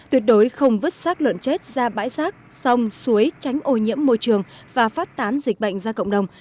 tuyệt đối không vứt sát lợn chết ra bãi rác sông suối tránh ô nhiễm môi trường và phát tán dịch bệnh ra cộng đồng